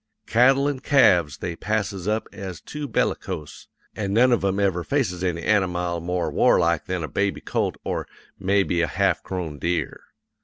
Cattle an' calves they passes up as too bellicose, an' none of 'em ever faces any anamile more warlike than a baby colt or mebby a half grown deer.